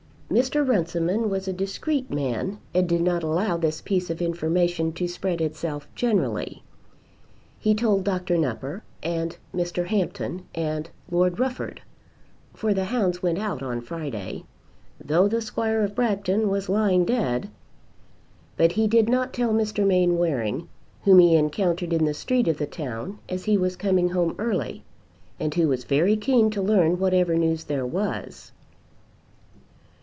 Mr. Runciman was a discreet man, and did not allow this piece of information to spread itself generally. He told Dr. Nupper, and Mr. Hampton, and Lord Rufford, for the hounds went out on Friday, though the Squire of Bragton was lying dead; but he did not tell Mr. Mainwaring, whom he encountered in the street of the town as he was coming home early, and who was very keen to learn whatever news there was.